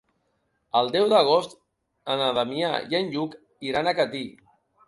El deu d'agost na Damià i en Lluc iran a Catí.